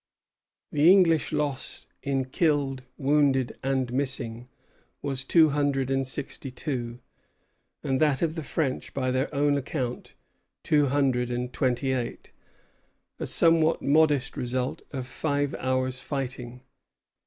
The English loss in killed, wounded, and missing was two hundred and sixty two; and that of the French by their own account, two hundred and twenty eight, a somewhat modest result of five hours' fighting.